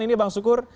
ini bang sukur